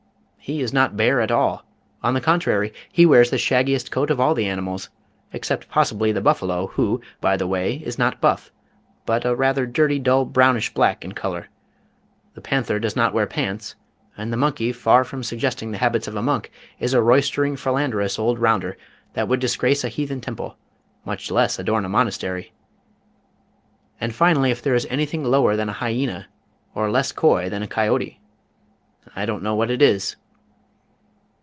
He is not bare at all on the contrary he wears the shaggiest coat of all the animals, except possibly the Buffalo, who, by the way, is not buff, but a rather dirty dull brownish black in color. The Panther does not wear pants, and the Monkey far from suggesting the habits of a Monk is a roystering, philanderous old rounder that would disgrace a heathen temple, much less adorn a Monastery. And finally if there is anything lower than a Hyena, or less coy than a Coyote, I don't know what it is.